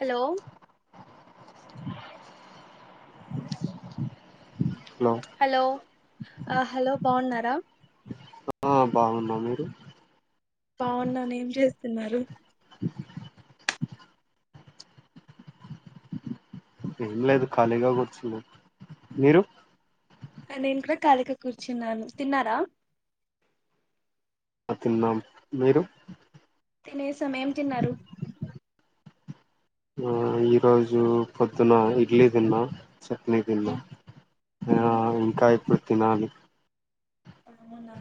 Hello hello ఆ hello బాగున్నా. ర ఆ బాగున్నా మీరు? బావున్నాను, ఏం చేస్తున్నారు? ఏం లేదు ఖాళీగా కూర్చున్న, మీరు? నేను కూడా ఖాళీగా కూర్చున్నాను, తిన్నారా? ఆ తిన్నాం మీరు? తినేసం, ఏం తిన్నారు? ఆ ఈ రోజు పొద్దున్న ఇడ్లీ తిన్నా. చట్నీ తిన్న, ఉమ్, ఉమ్. ఇంకా ఇప్పు తినాలి. అవునా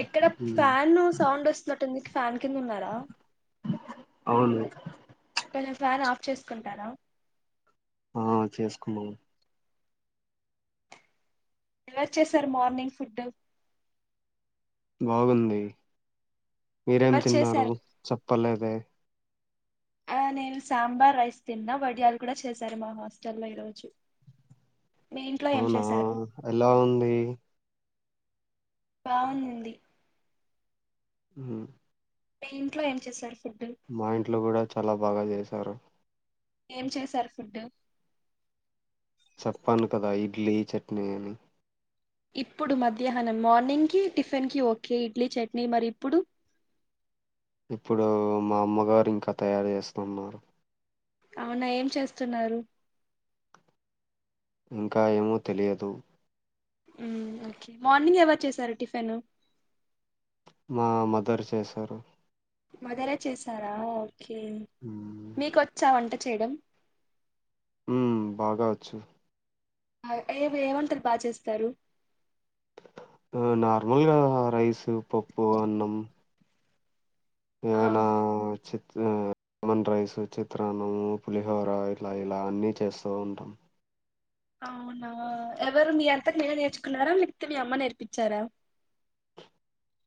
ఎక్కడ ఉమ్, ఫ్యాన్ సౌండ్ వస్తున్నట్టుంది. సా కింద ఉన్నారా? అవును కొంచెం ఫ్యాన్ ఆఫ్ చేసుకుంటారా. ఆ చేసుకున్నాను. ఎవరు చేసారు మార్నింగ్ ఫుడ్? బాగుంది. మీరేం ఎవరు తిన్నారు చేశారు చెప్పలేదే. ఆ నేను సాంబార్ రైస్ తిన్నా, వడియాలు కూడా చేసారు మా హాస్టల్లో ఈరోజు. మీ ఇంట్లో ఏం ఔనా చేశారు ఎలా ఉంది బావుందండి ఉమ్ మిఇంట్లో ఏం చేశారు ఫుడ్ మా ఇంట్లో గుడా చాలా బాగా జేస్ సారు ఏం చేశారు ఫుడ్ చెప్పను కదా ఇడ్లీ, చట్నీ అని ఇప్పుడు మధ్యాహ్నం మార్నింగ్కి టిఫిన్ కి ఒకే ఇడ్లీ, చట్నీ మరి ఇప్పుడు ఇప్పుడూ మా అమ్మగారు ఇంకా తయారు జేస్తున్నారు ఔనా ఏం చేస్తున్నారు ఇంకా ఏమో తెలియదు ఉమ్ కే మార్నింగ్ ఎవరు చేసారు టిఫిను మా మదర్ చేశారు కే ఉమ్ మీకొచ్చా వంటక్ చేయ్డం ఉ బాగా ఒచ్చు అ ఏమి ఏమొంటలు బా చేస్తారు నార్మల్గా రైసు, పప్పు, అన్నం ఆ, ఏవైనా చిన్ ఆ మన్ రైస్, చిత్రాన్నము, పులిహోర ఇట్లా ఇలా అన్నీ చేస్తూ ఉంటాం ఔనా ఎవరు మీ అంతక్ మీరే నేర్చుకున్నారా లేక్పోతే మీ అమ్మ నేర్పించారా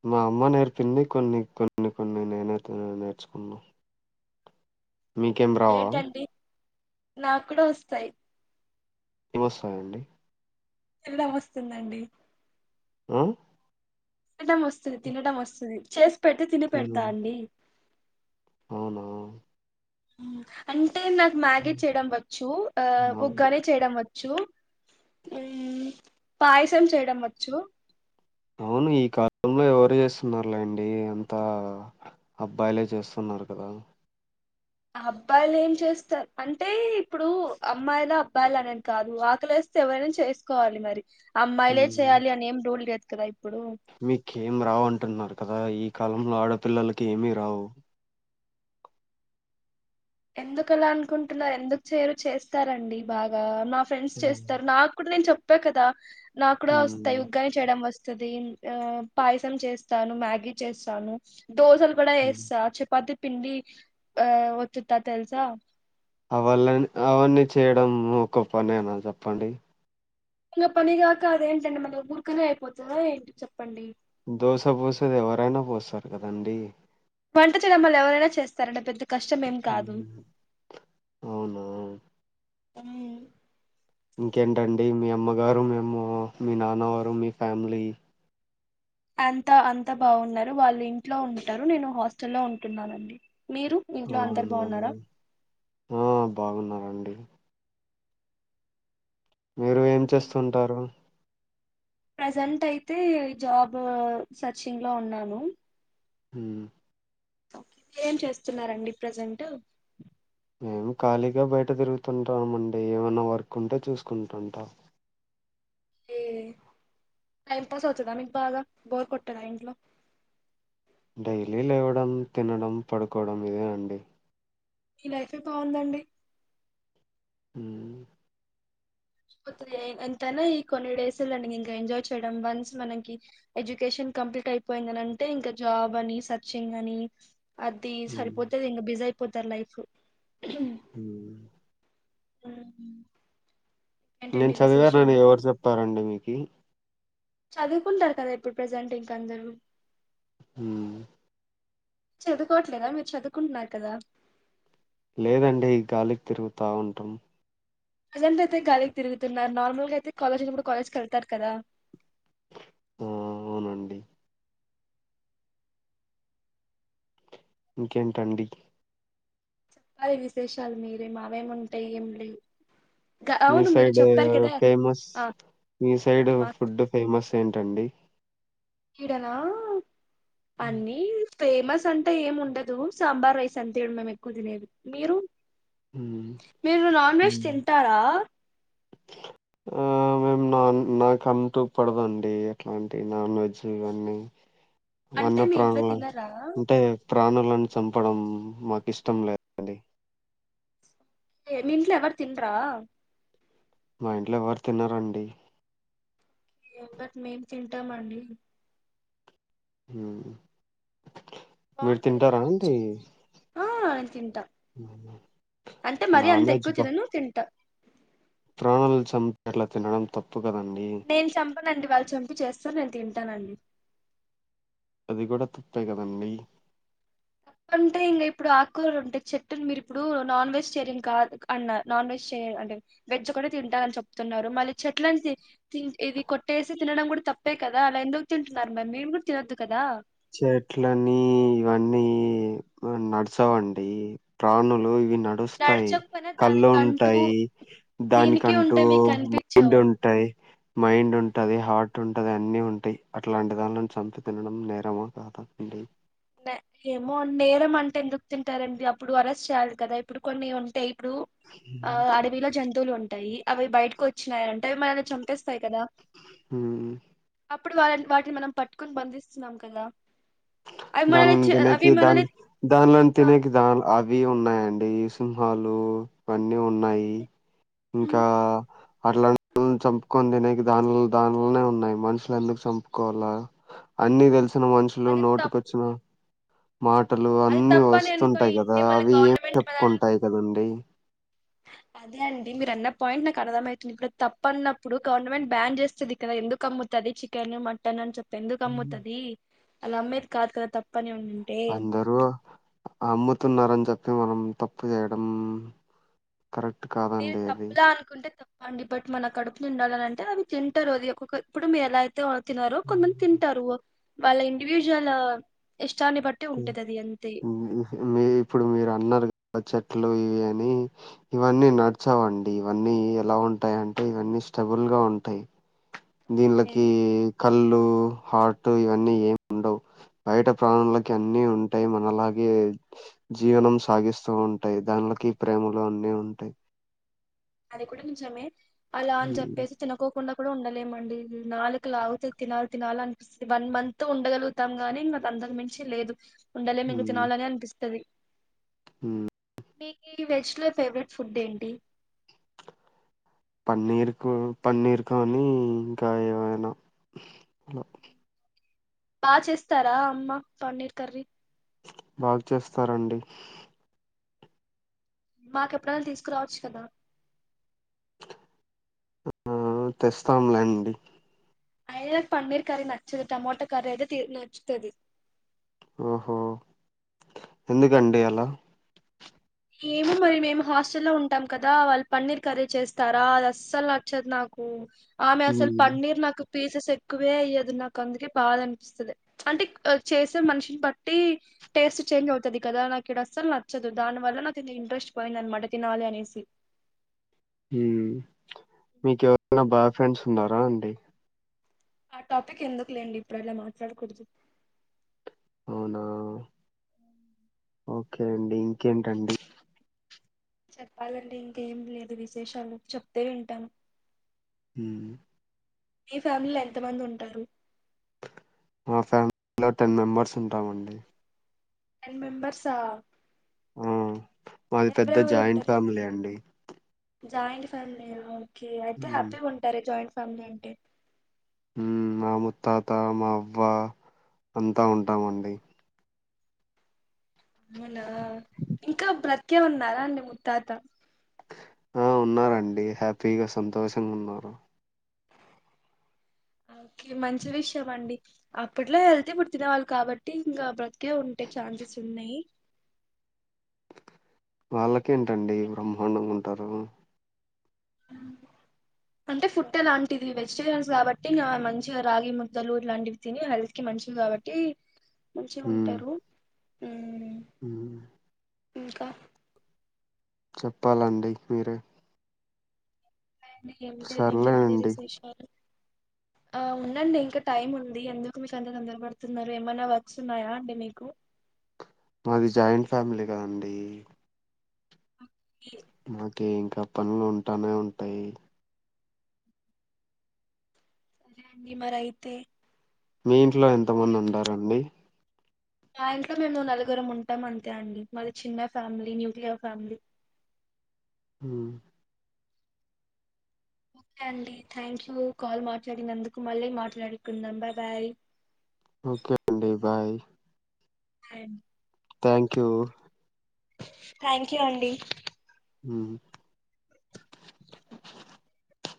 మా అమ్మ నేర్పింది కొన్ని కొన్ని కొన్ని నేనతే నేర్చుకున్నా మీకేం రావ నా కూడా ఒస్తాయి ఏం ఈస్తాయండి గుడ ఒస్తుందండి అ టం మోస్తది తినటం ఒస్తది చేస్ పెట్తే తిని పెడ్తా అండి ఔనా అం టే నాక్ మ్యాగీ చేయడం వచ్చు ఆ ఒక అవును కరీ చేయ్డం వ చ్చు ఊమ్ పాయసం చేయ్డం వచ్చు ఔను ఈ కాలంలో ఎవరు చేస్సున్నారులేండి అంతా అబ్బాయిలే చేస్తున్నారు కదా అబ్బాయిలు ఏం చేస్తా అంటే ఇప్పుడు అమ్మాయిల అబ్బాయిలనేని కాదు ఆకలేస్తే ఎవరైనా చేస్కోవాలి మరి అమ్మాయిలే ఉమ్ చేయాలి అని ఏం రూల్ లేద్ రై మీకేం రావు అంటున్నార్ కదా ఈ కాలంలో ఆడపిల్లలకి ఏమి రావ్ ఎందుకు అలా అనుకుంటున్నారు ఎందుకు చేరు చేస్తారంండి బాగా నాక్ ఫ్రెండ్స్ చేస్తారు నాకు కూడా నేను చెప్ పె కద నాకు కూడా ఉ వస్తాయి ఉగ్గని చేయడం వస్ స్తది ఆ పాయసం చేస్తాను మ్యాగీ చేస్తాను దోసలు కూడా ఉమ్ ఎస్తా చాపాతి పిండి ఆ ఓ తుత్తా తెల్సా అవళని అవన్నీ చేయడం ఒక పనేనా చెప్పండి పనిగాక అదేంటండి మన ఊరుకనే అయిపోతుందా ఏంటి చెప్పండి దోశ పూసది ఎవరైనా పోస్తారు కదండి వంట చేలమ్మల్లు ఎవరైనా చేస్తారంంటడి పెద్ద కష్టం ఏం కాదు ఉమ్ అవునా అ ఇంకేంటండి మీ అమ్మగారు మేము మీ నాన్నవారు మీ ఫ్యామిలీ అంత అంత బాగున్నారు వాళ్ళు ఇంట్లో ఉంటారు నేను హాస్టల్లో ఉంటున్నానండి మీరు ఇంట్లో అందరు అవునా బాగున్నారా ఆ బాగున్నారంండి మీరు ఏం చేస్తుంటారు ప్రజెంట్ అయితే జాబ్ సర్చింగ్ లో ఉన్నాను హమ్ ఓకే మీరేం చేస్తున్నరండి ప్రజెంట్ మేము ఖాళీగా బయట తిరుగుతుంటామ అండి ఏమైనా వర్క్ ఉంటే చూసుకుంటుంటాం ఏ టైం పాస్ అవుతుదా మీకు బాగా బోర్ కొట్టదా ఇంట్లో డైలీ లేవడం తినడం పడుకోవడం ఇదే అండి మీ లైఫే బాగుందండి ఎంతనా ఈ కొన్ని డేస్లండి ఇంకా ఎంజాయ్ చేయడం వన్స్ మనకి ఎడ్యుకేషన్ కంప్లీట్ అయిపోయిందినింటే ఇంకా జాబ్ అని సర్చింగ్ అని అది సరిపోతేది ఇంకా బిజ ప్పుతర్ ైఫ్ హ ఆ నేను చదివాను నని ఎవరు చెప్పారంండి మీక్ కి చదువుకుంటారు కదా ఇప్పుడు ప్రజెంట్ ఇంకందరూ హమ్ చదువుకోవట్లేదా మీరు చదువుకుంటున్నారు కదా లేదండి ఈ గాలికి తిరుగుతా ఉంటాం ప్రెసెంట్ ఆయితె గలికి తిగుతున్నారు నార్మల్ తే కాలజ వునాపుడు కాలజకి కె తర్ కద ఆ అవునండి ఇంకేంటండి. చెప్పాలి విశేషాలు మీరే మావేముంటాయి. ఏం లే మీ సైడ్ ఫేమస్ ఆ మీ సైడ్ మా ఫుడ్ ఫేమస్. ఏంటండి. ఇడనా. హ్మ్. పన్నీర్, ఫేమస్ అంటే ఏం ఉండదు. సాంబార్ రైస్ ఇడ మేము ఎక్కువ తినేది. మీరు హ్మ్. మీరు నాన్ వెజ్ తింటారా. ఆ మేము నాన్ నాకు అంటూ పడదండి. ఎట్లాంటి నాన్ వెజ్ ఇవన్నీ అంటే వన్య మీ ఇంట్లో ప్రాణుల తినరా అంటే, ప్రాణులను చంపడం మాకు ఇష్టం లేదండి. ఏ మీ ఇంట్లో ఎవారు తిన్రా మా ఇంట్లో ఎవరు తిన్నారండి. బట్ మేం తింటామండి. హ బాగుంటది నాన్ వెజ్ ఆ నేను తింటా అంటే మరీ అంత ఎక్కువ తినను తింటా. ప్రాణలను చంపి అట్లా తినడం తప్పు. కదండి నేను చంపనండి వాళ్ళు చంపి చేస్తాను. సార్ నేను తింటానండి. అది కూడా తప్పే కదండి. అంటే ఇంకా ఇప్పుడు ఆకూరు ఉంటే చెట్లు మీరు ఇప్పుడు నాన్ వెజ్ వెజిటేరియన్ కాదు అన్న నాన్ వెజ్ వెజిటేరియన్ అంటే వెజ్ కూడా తింటాలని చెప్తున్నారు. మళ్ళీ చెట్లని ఇది కొట్టేసి తినడం కూడా తప్పే కదా అలా ఎందుకు తింటున్నారు మరి మేము కూడా తినొద్దు కదా. చెట్లని ఇవన్నీ. నడుచావండి. ప్రాణులు ఇ నడుస్తాయి నడచకపోయినా కళ్ళు దానికంటూ ఉంటాయి. దీనికే దానికంటూ ఉంటాయి మీకు మైండ్ కనిపించవు ఉంటాయి. మైండ్ ఉంటుది హార్ట్ ఉంటది అన్ని ఉంటాయి. అట్లాంటి దానిలోని చంపి తినడం నేరం. రమ కాతాండడి [unintelligible] ఏమో నేరం అంటే ఎందుకు తింటారండి. అప్పుడు అరెస్ట్ చేయాలి కదా ఇప్పుడు కొన్ని ఉంటాయి. ఇప్పుడు ఆ హ్మ్. అడవిలో జంతువులు ఉంటాయి. అంటాయి అవి బయటకు వచ్చినాయంటడి. అవి మనని చంపేస్తాయి కదా. హ్మ్. అప్పుడు వాళని వాటిని మనం పట్టుకుని బంధిస్తున్నాం కదా. అవి దాని మనల్ని లోని చ అవి తినేకి ద మనల్ని దాలోని ఆ, తినకి ద ఇవి ఉన్నాయిడి సింహాలు ఇవన్నీ ఉన్నాయి. ఇంకా అట్లా చంపుకొని తిననికి దాని దానిలోనే ఉన్నాయి. మనుషులు ఎందుకు చంపుకోవాల అన్ని తెలిసిన లో అది తప్ నోటుకొచ్చిన. మాటలు అది అన్ని తప్పని వస్తుంటాయి కదా అనుకోయింటే మళ్ళీ అవి ఏం గవర్నమెంట్ మనల్ని చెప్పుకుంటాయి కదండి అదే అండి మీరు అన్న పాయింట్ నాకు అర్థమ అవుతుంది ఇప్పుడు తప్ప అన్నప్పుడు గవర్నమెంట్ బ్యాన్ చేస్తుంది కదా ఎందుకు అమ్ముతుంది చికెన్ మటన్ అని చెప్ ఎందుకు అమ్ముతుది అలా అమ్మేది కాదు కదా తప్ప అందరు అమ్ముతున్నారని చెప్పి మనం తప్పు చేయడం కరెక్ట్ మీరు కాదండి అది తప్పులా అనుకుంటే తప్పు అండ్ [unintelligible] మన కడుపు నిండాలి అని అంటే అవి తింటారుది ఇప్పుడు మీరు ఎలాయి తినరో కొంతమంది తింటారు వాళ్ళ ఇండివిజువల్ ఎ మీ ఇప్పుడు మీరు అన్నారు [unintelligible] ట్లు ఇవి అని ఇవన్నీ నడచావండి ఇవన్నీ ఎలా ఉంటాయి అంటే ఇవన్నీ స్టెబుల్ గా ఉంటాయి దీనిలోకి కళ్ళు హార్ట్ ఇవన్నీ ఏమి ఉండవు బయట ప్రాణులకి అన్ని ఉంటాయి మనలాగే జీవనం సాగిస్తూ ఉంటాయి దానిలకి ప్రేమలు అన్ని ఉంటాయి అది కూడా నిజ్జమే అలా అని ఉమ్, చెప్పేసి తినకోకుండా ఇప్పుడ ఉండలేమండి నాలుగు లాగుత తినాలి తినాలి అనిపిస్తుంది వన్ మంత్ ఉండగలుగుతాం గాని ఇంకా అంతకు మించి లేదు ఉండలే మీకు తినాలని అనిపిస్తుది మ్మ్ మీకి వెజ్ లో ఫేవరెట్ ఫుడ్ ఏంటి పన్నీర్ పన్నీర్ కానీ ఇంకా ఏమైనా బాగా చేస్తారా అమ్మ పన్నీర్ కర్రీ బాగు చేస్తారండి మాకెప్పుడనా తీసుకురావచ్చు కదా ఆ తెస్తాంలేండి అయిన పన్నీర్ కరి నచ్చదు టమాటో కరి అయితే నచ్చుతుంది ఓహో ఎందుకండి అలా ఏమో మరి మేము హాస్టల్లో ఉంటాం కదా వాళ్ళు పన్నీర్ కర్రీ చేస్తారా అది అస్సలు నచ్చదు నాకు ఆమె అసలు ఉమ్. పన్నీర్ నాకు పీసెస్ ఎక్కువేయ్యదు నాకు అందుకే బాధ అనిపిస్తుంది అంటే చేసే మనిషిని బట్టి టేస్ట్ చేంజ్ అవుతుంది కదా నాకు ఇడా అసలు నచ్చదు దాని వల్ల నాకు తఇంట్రెస్ట్ పోయింది అనమాట తినాలి అనేసి మీక ఎవరనా బాయ్ ఫ్రెండ్స్ ఉన్నారా అండి ఆ టాపిక్ ఎందుకు లేండి ఇప్పుడు అలా మాట్లాడకూడదు అవునా ఓకే అండి ఇంకేంటండి చెప్పాలండి ఇంకేం లేదు విశేషాలు చెప్తే వింటాను హ్మ్ మీ ఫ్యామిలీలో ఎంత మంది ఉంటారు మా ఫ్యామిలీలో టెన్ మెంబర్స్ ఉంటామండి టైన్ మెంబర్స్ ఆ ఆ మాది పెద్ద ఉంటారు జాయింట్ ఫ్యామిలీ అండి జాయింట్ ఫ్యామిలీ ఆ అయితే హ్మ్ హ్యాపీ గా ఉంటారే జాయింట్స్ ట్ అంటే మా ముత్తాత మా అవ్వ అంతా ఉంటామండి అవునా ఇంకా బ్రతికే ఉన్నారా అండి ముత్తాత ఆ ఉన్నరండి హ్యాపీగా సంతోషంగా ఉన్నారు ఓకే మంచి విషయం అండి అప్పట్లో ఐతే పుర్టిన వాళ్ళు కాబట్టి ఇంకా బ్రతికే ఉంటే ఛాన్సెస్ ఉన్నాయి వాళ్ళకేంటండి బ్రహ్మాండంగా ఉంటారు అంటే ఫుడ్ అలాంటిది వెజిటేరియన్స్ కాబట్టి నా మంచిగా రాగి ముద్దలు ఇలాంటివి తిని హెల్త్ కి మంచిది కాబట్టి మంచిగా హ్మ్ ఉంటారు హ్మ్ హ్మ్ ఇంకా చెప్పాలండి మీరే [unintelligible] ఎమ్ లేదు ఇంకెంతే సర్లేండి విశేషాలు ఆ ఉండండి ఇంకా టైం ఉంది ఎందుకు మీకు అంత తొందరపడుతున్నారు ఏమన్నా వర్క్స్ ఉన్నాయా అండి మీకు మాది జాయింట్ ఫ్యామిలీగాదండి మాకి ఇంక పనులు ఉంటానే ఉంటాయి సరే అండి మరైతే మీ ఇంట్లో ఎంత మంది ఉంటారండి మా ఇంట్లో మేము నలుగుర ఉంటాం అంతే అండి మాది చిన్న ఫ్యామిలీ న్యూక్లియర్ ఫ్యామిలీ హ్మ్ ఓకే అండి థ్యాంక్యూ కాల్ మాట్లాడినందుకు మళ్ళీ మాట్లాడుకుందాం బాబాయ్ ఓకే అండి బాయ్ ఎం థ్యాంక్ యూ థ్యాంక్ యూ అండి మ్మ్